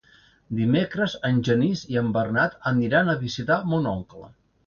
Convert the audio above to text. Dimecres en Genís i en Bernat aniran a visitar mon oncle.